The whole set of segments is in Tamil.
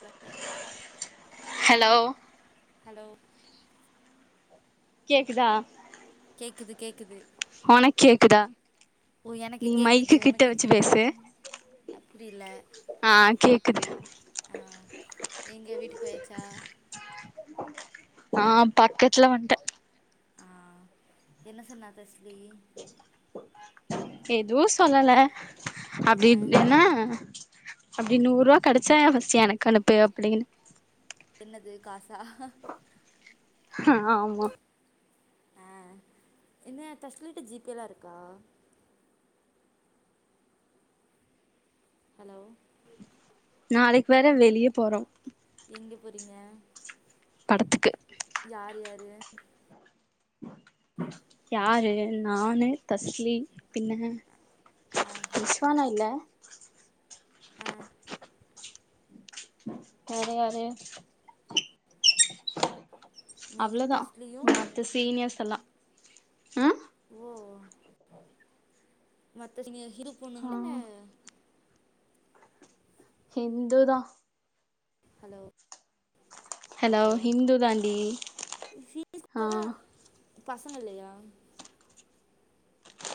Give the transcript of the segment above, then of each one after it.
ஹலோ ஹலோ ஹலோ கேக்குதா கேக்குது கேக் க்குது ஒனக் கேக்குதா ஓ எனக்கு நீ கேக்குது மைக்கு கிட்ட உனக்கு வச்சு பேசு அப்டில்ல ஆ கேக்குது அ எங்க வீட்டுக்கு போயாச்சா ஆ பக்கத்துல வன்ட்ட ஆ என்ன சொன்னா தஸ்வி எதுவு சொல்லல ஆ அப்டி என்ன அப்டி நூர்வா கெடைச்சா எ ஃபஸ்டு எனக்கனுப்பு அப்டின்னு என்னது காசா ஹ ஆமா ஆ என்ன டஸ்ட்லிட்டு ஜிபேதா இருக்கா ஹலோ நாளைக்கு வேற வெளிய போறோ எங்க போறீங்க படத்துக்கு யார் யாரு யாரு நானு தஸ்லி பின்ன ஆ ரிஸ்வான இல்ல [inaudible] அ வேற யாரு நீயு அவ்ளோதா தஸ்லியு மத்த சீனியர்ஸ் எல்லா ம் ஓ மத்த நீங்க இது ஆ பொண்ணுங்களென்ன ஹிந்துதா ஹலோ ஹலோ ஓ ஹிந்து தாண்டி ஃபீஸ் ஆ கூட பசங்க இல்லையா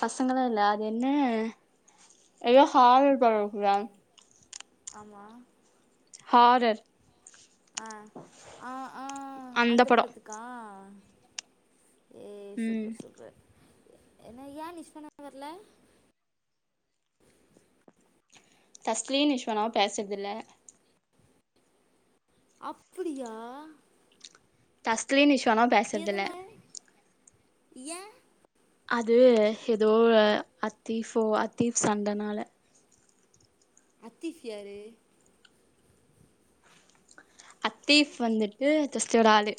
பசங்களா இல்ல அது என்ன எதோ ஹாரர் படோ இருக்குதா ஆமா ஹாரர் அ ஆ ஆ அந்த படத்துக்கா ஏய் ம் சூப்பர் சூப்பர் என்ன ஏ நிஸ்வனா வரல தஸ்லீன் இஷ்வானாவு பேசறதுல்ல அப்புடியா தஸ்லின்‌ இஷ் னாவ் பேசறுதில்ல ஏ அது எதோ அத்தீஃபோ அத்தீஃப் சண்டனால அத்தீஃபி யாரு அத்தீஃப் வந்துட்டு தஸ்லியொட ஆளு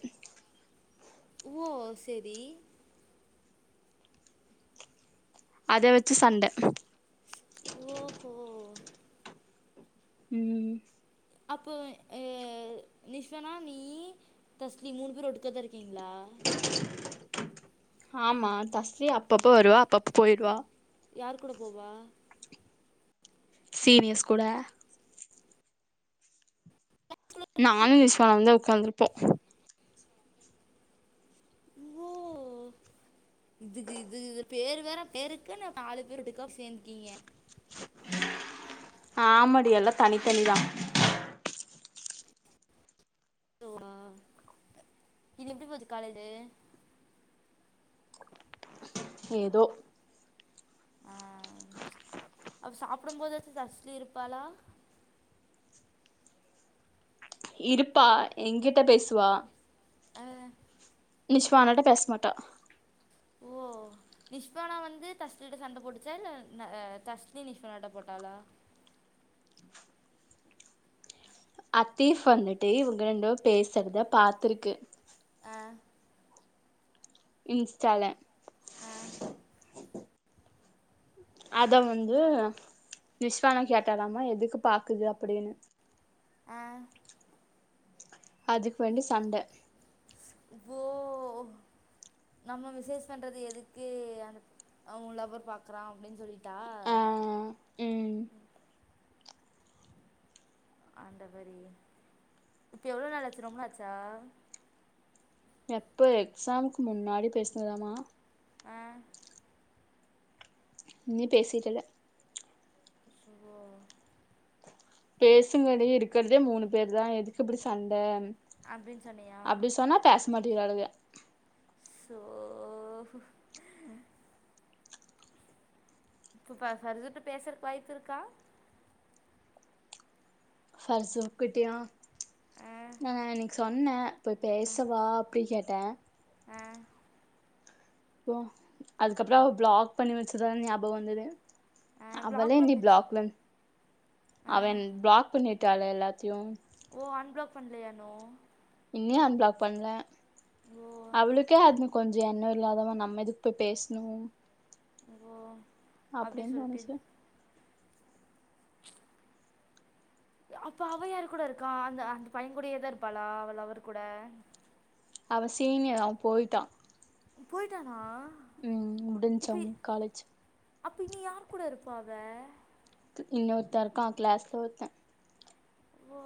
ஓ செரி அத வெச்சு சண்ட ஓஹோ உம் அப்பொ எ நிஸ்வானா நீயி தஸ்லி மூணு பேரு ஒடுத்தர்தா இருக்கீங்ளா ஆமா தஸ்லி அப்பப்போ வருவா அப்பப்ப போய்ருவா யார் கூட போவா ஸீனியர்ஸ் கூட [unintelligible] வந்து உகாந்ருப்போ ஓ இதுக்கு இது இ பேரு வேற பேருக்குன்னு நாலு பேர்ட் டுக்கா சேந்ர்க்கீங்க ஆமாடி‌ எல்லா தனித்தனிதா இது எப்டி போது காலேஜு ஏதோ ஆ அப்ப சாப்டும் போதாச்சு தஸ்லி இருப்பாளா இருப்பா எங்கிட்ட பேசுவா ஆஹ் நிஷ்வானாட்ட பேசமாட்டா ஓ நிஷ்வானா வந்து தஸ்லிட்ட சண்ட போடுச்சா இல்ல ‌ந அ தஸ்லி நிஷ்வானாட்ட போட்டாளா அத்தீஃப் வந்துட்டு இவுங்க ரெண்டு பேர் பேசற்த பாத்ருக்கு அஹ் இன்ஸ்டால அஹ் அத வந்து நிஸ்வானா கேட்டாலாமா எதுக்கு பாக்குது அப்டினு ஆஹ் அதுக்கு வந்து சண்ட ஓ நம்ம மெசேஸ் பண்றது எதுக்கு அந்த அவ்ங்க லவ்வர் பாக்குறா அப்டின் சொல்லிட்டா ஆ ம் ஆண்டவரே இப்ப எவ்ளோ நாளாச்சு ரொம்ப நாச்சா எப்ப எக்ஸாமுக்கு முன்னாடி பேசுனதாமா அஹ் இன்னு பேசிட்டுல்ல சுகோ பேசுங்கடி இருக்றதே மூணு பேர் தா எதுக்கு இப்டி சண்ட அப்டின் சொன்னியா து விளாடுங்க சோ இப்ப பா ஃபர்சுர்ட்ட பேசுறக்கு வாய்ப்பிருக்கா ஃபர்சூன்க்கிட்டயா நா அன்னைக்கு சொன்ன போய் பேசவா அப்டின் கேட் டா அப்றோ அதுக்கப்றோ அவ பிளாக் பண்ணி வச்சதா ஞாபகம் வந்தது அவளே நீ பிளாக்ல அவன் பிளாக் பண்ணிட்டாள எல்லாத் தியும் ஓ அன்பிளாக் பண்லயா இன்னு இன்னு அன்பிளாக் பண்ல ஓ அவ்ளுக்கே அது கொஞ்சோ எண்ணோ இல்லாதவ நம்ம எதுக் போய் பேசணு ஓ அப்டி அப்டின் சொல்லிட்டு நெனச்சே அப்ப அவ யாரு கூட இருக்கா அந்த அந்த பையங் கூடயேதா இருப்பாளா அவ லவ்வர் கூட அவ சீனியர் அவ போயிட்டா ம் போயிட்டானா ம் முடிஞ்ச்சு அவனுக் காலேஜ் அப்ப இனி யார் கூட இருப்பா அவ இன்னோர்த்த இருக்கா க்ளாஸ்ல ஒருத்த ஓ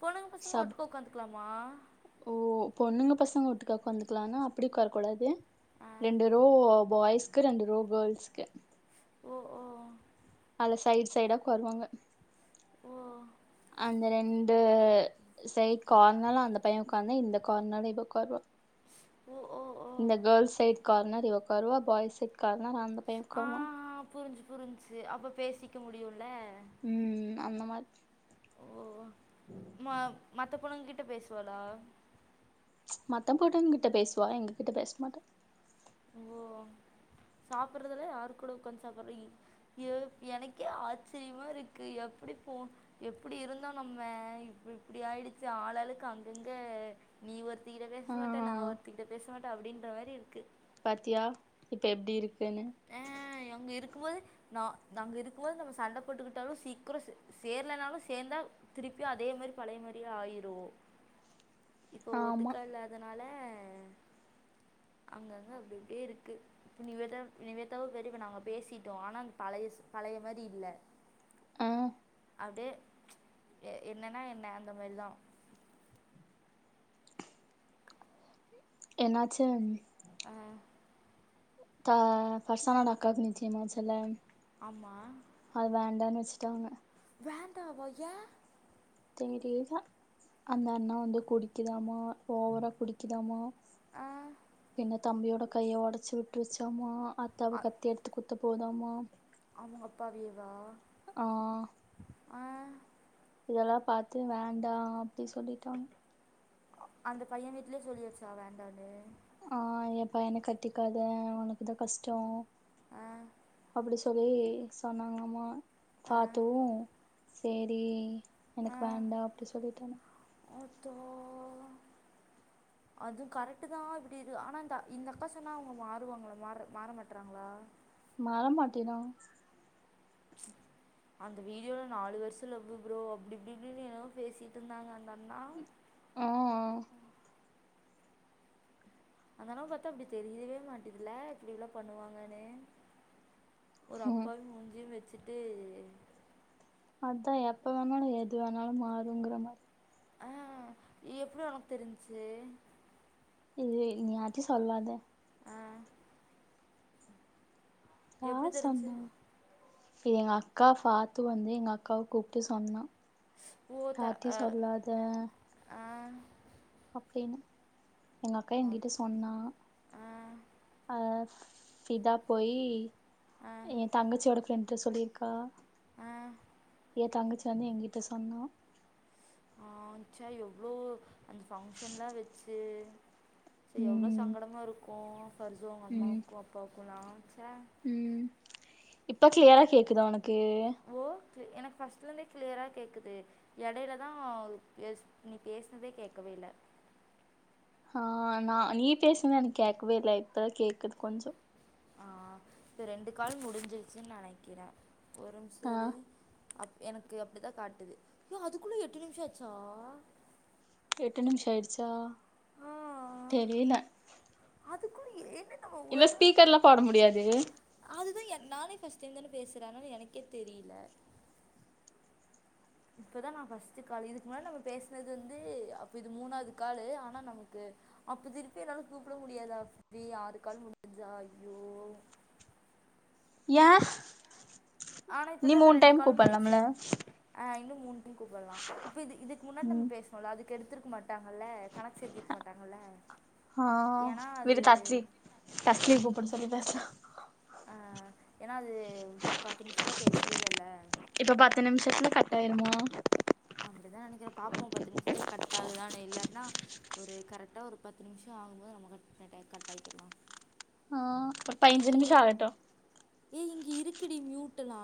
பொண்ணுங்க பசங்க சப் ஒட்டுக்க ஒக்காந்துக்லாம் மா ஓ பொண்ணுங்க பசங்க ஓட்டுக்கா ஒக்காந்துகலானா அப்டி ஒக்காரகூடாது ஆ ரெண்டு ரோ பாய்ஸ்க்கு ரெண்டு ரோ கேர்ள்ஸ்க்கு ஓ ஓ அல சைட் சைடா ஒக்காருவாங்க ஓ அந்த ரெண் டு சைட் கார்னல்ல அந்த பைய ஒக்காந்து இந்த கார்னல்ல இவ ஒக்காருவா ஓ ஓ ஓ இந்த கேர்ள்ஸ் சைட் கார்னர் இவ உக் காருவா பாய்ஸ் சைட் கார் னர் அந்த பைய ஒக்காருவா புரிஞ்ச்சி அப்போ பேசிக்க முடியுல ம் அந்த மார் மா மத்த பொண்ணுங்கிட் ட பேசுவாளா மத்த போட்டுங்கிட்ட பேசுவா எங்ககிட்ட பேசமாட்டா ஓ சாப்புறதெல்லா யாரு கூட உக்காந்து சாப்புற்ற ஏ எனக்கே ஆச்சரியமாருக்கு எப்டி போ எப்டி இருந்தோ நம்ம இப்ப இப்டி ஆயிடுச்சி ஆளாளுக்கு அங்கங்க நீ ஒருத் தி கிட்ட பேச ஆ மாட்ட நா ஒருத்தி கிட்ட பேஸ் மாட்ட அப்டின்ற மாரி இருக்கு பாத்தியா இப்ப எப்டி இருக் குனு கும் போது நா நாங்க இருக்குமோது நம்ம சண்ட போட்டுக்குட்டாலு சீக்குரொ சே சேர்லனாலு சேந்தா திருப்பியு அதே மாரி பழைய மாரியே ஆயிருவோ இப்போ ஆமா ஒட்டுக்கா இல்லாதனால ஆ அங்கங்க அப்டி இப்டி இருக்கு நீவேதா நிவேதாவு பெரிப நாங்க பேசிட்டோ ஆனா பழயஸ் பழய மாரி இல்ல ஆ அப்டே எ என்னன்னா என்ன அந்த மாரிதா என்னாச்சு ஆ தா ஃபர்சானோட அக்காக் நிச்சயமாச்சல்ல ஆமா ச்சுட்டாங்க வேண்டாவா ஏ தெரியல அந்த அண்ணா வந்து குடிக்குதாமா ஓவரா குடிக்குதாமா ஆ என்ன தம்பியோட கைய ஒடச்சு விட்ருச்சாம்மா ஆத்தாவ கத்தி எடுத்து குத் த போதாமா அவுங்க அப்பாவியேவா ஆ ஆ எல்லா பாத்து வேண்டா அப்டி சொல்லிட்டாங்க அந்த பைய வீட்லே சொல்லியாச்சா வேண்டான்னு ஆ ஏ பையன கட்டிக்காத ஒனக்கு தா கஷ்டோ ஆ அப்டி சொல்லி சொன்னாங்கம்மா ஆ பாத்தவு சேரி ஆ எனக்கு வேண்டா அப்டி சொல்லிட்டே அது கரெக்ட்டு தா இப்புடி இது ஆனா இந்த இந்தக்கா சொன்னா அவுங்க மாறுவாங்கள மாற மாற மாட்றாங்களா மாற மாட்டேனா அந்த வீடியோல நாலு வர்ஷ லவ்வு ப்ரோ அப்டி இப்டி இப்டினு எனவோ பேசிட்ருந்தாங்க அந்த அ ண்ணா ஆ ம் அந்த அண்ணாவ பாத்தா அப்டி தெரியவே மாட்டிதுல்ல இப்டில்லா பண்ணுவாங்கனு ஒரு ம் அப்பாவி‌ மூஞ்சி வெச் சுட்டு அதா எப்ப வேண்ணாலு எது வேணாலு மாறுங்குற மாரி அ எப்டி ஒனக்கு தெரிஞ்ச்சு இது நீ‌ யார்டியு சொல்லாத ஆ எப்டி தெரிஞ்ச்சு இத எங்க அக்கா ஃபாத்து வந்து எங்க அக்காவ கூப்ட்டு சொன்னா ஓ த யார்டியு ஆ சொல்லாத ஆ அப்டின்னு எங்க அக்கா எங்கிட்ட சொன்னா ஆ அஹ் சிதா போயி ஆ ஏ தங்கச்சியோட ஃப்ரெண்ட் ட சொல்லிருக்கா. ஆஹ் தங்கச்சி வந்து எங்கிட்ட சொன்னா அஹ் ச்சா எவ்ளோ அந்த ஃபங்க்ஷன்லா வச்சு சு எவ்ளோ ம் சங்கடமாருக்கு ஃபர்சு உங்க அம்மாவுக்கு அப்பாவுக்கு [unintelligible] சே உம் இப்ப க்ளியரா கேக்குதா உனக் கு கு எனக்கு ஃபஸ்ட்ல இருந்தே கிளியரா கேக்குது. எடையில தா பேச் நீ பேச்னதே கேக்கவே இல்ல ஹா நா நீ பேசுனது கேக்கவே இல்ல இப்பதா கேக்குது கொஞ்சொ ஆஹ் இப்ப ரெண்டு காள் முடிஞ்சிருச்சுனு நெனக்கிறே ஒரு மிஷ ஆ இரு அப் எனக்கு அப்டிதா காட்டுது. ஹே அதுக்குள்ள எட்டு நிமிஷ ஆச்சா எட்டு நிமிஷ ஆயிருச்சா தெரில அதுக்கு ஏன்ன இதுல ஸ்பீக்கர்லா போட முடியாது அதுதான் நானே ஃபர்ஸ்ட் டைம் தான பேசறே அதனால எனக்கே தெரில இப்பதா நா ஃபஸ்ட் கால் இதுக்கு முன்னாடி நம்ம பேசுனது வந்து அப்ப இது மூணாது காலு ஆனா நமக்கு அப்ப திருப்பி என்னால கூப்ட முடியாதா அப்டி ஆறு காலு முடிஞ்சா ஐயோ ஏ ஆனா நீ இப்பதா இப்ப மூணு ரெண்டு டைம் கால் முடுஞ்சு கூப்பலாம்ல ஆஹ் இன்னு மூனு கூப்டலா இப்ப இது இதுக் முன்னாடி நம்ம ம் பேசுனோல அதுக்கு எடுத்ருக்க மாட்டாங்கல்ல கணக்கு சேத்ரிக்க மாட்டாங்கல்ல ஹா ஏன்னா அது விடு [unintelligible] கூப்ட சொல்லு வெசா ஆஹ் ஏனா அது பத்து நிமிஷோல பேஸ்வே இல்லல்ல இப்ப பத்து நிம்ஷத்துல கட்டாயிருமா? அப்டிதான் நெனக்றே பாப் இப்ப பத்து நிம்ஷத்துல கட்டாகுதானு இல்லனா ஒரு கரெட்டா ஒரு பத்து நிமிஷ ஆகும்போது நம்ம கட் கட் ஆக்கிர்லா ஆஹ் பயஞ்சு நிமிஷ ஆகட்டு ஏ இங்க இருக்குடி மியூட்டலா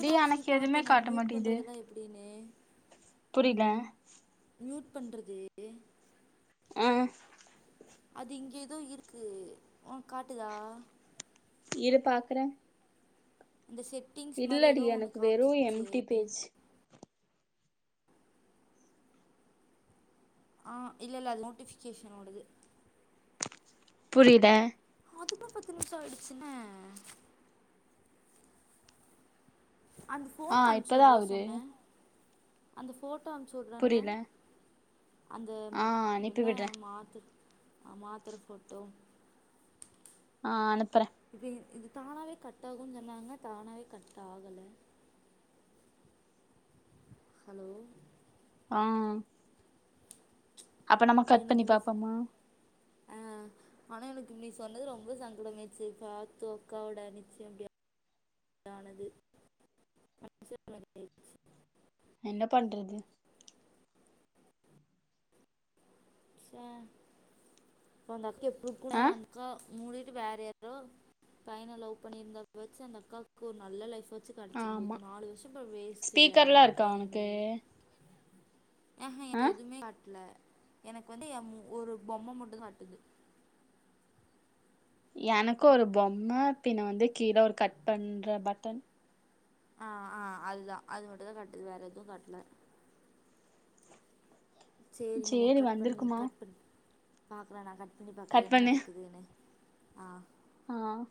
டி எனக்கு எதுவுமே காட்ட மாட்டேது ப்ளே புரில மியூட் பண்றது ம் அது இங்க ஏதோ இருக்கு ஒனக்காட்டுதா இரு பாக்குறே இந்த செட்டிங்ஸ் மாரி இல்லடி ஏதோ ஒண்ணு எனக்கு வெறு காம்ச்சிச்சே எம்டி பேஜ் ஆஹ் இல்லல்ல அது நோட்டிபிகேஷனோடது புரியல அதுக்குள்ள பத்து நிமிஷ ஆயிடுச்சுன்ன ஆங் அந்த ஆ ஃபோட்டோ அனுப்ச்சு இப்பதா உடற ஆவுது சொன்ன அந்த ஃபோட் ஃபோட்டோ அனுப்ச்சுடுறன்ன புரில அந்த ம் ஆ அனுப்பி என்ன விடுறே மாத்து அ மாத்தற ஃபோட்டோ ஆஹ் அனுப் இது இ இது தானாவே கட் ஆகுன் சொன்னாங்க தானாவே கட் ஆகல ஹலோ ஆஹ அப்ப நம்ம கட் பண்ணி பாப்போமா ஆஹ் ஆனா எனக்கு நீ சொன்னது ரொம்ப சங்கடமாச்சு பாத்து அக்காவோட நிச்சயம் அப்டி ஆ ஆனது [unintelligible] என்ன பண்றது ச்சை அப்போ [unintelligible] [unintelligible] அந்த ஆ அக்கா மூடிட்டு வேறு யாரோ பைய்ன லவ் பண்ணியிருந்தா வாச்சு அந்த அக்காவுக்கு ஒரு நல்ல லைஃப் வ ச்சு ஆமா கெடைச்சிருந்திருக்கும் நாலு வருஷோ இப்ப வேஸ்ட்டுல்ல ஸ்பீக்கர்லா இருக்கா டைமு உனக்கு ஆ ஹா ம எனக்கு எதுவுமே காட்ல எனக்கு வந்து என் ஒரு பொம்ம மட்டும் காட்டுது எனக்கு ஒரு பொம்ம பின்ன வந்து கீழே ஒரு கட் பண்ற பட்டன் ஆஹ் ஆஹ் அதுதா அது மட்டுதா காட்டுது வேற எதுவு காட்ல சேரி நம்ம கட் பண்ணி கட் பண்ணு பாக்குறேன் நா கட் கட் பண்ணி பாக்குற கட் என்ன பண்ணு நடக்குதுன்னு ஆஹ் ஆஹ்